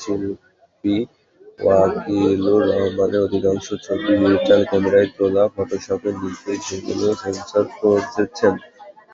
শিল্পী ওয়াকিলুর রহমানের অধিকাংশ ছবি ডিজিটাল ক্যামেরায় তোলা, ফটোশপে নিজেই সেগুলো সেন্সর করেছেন।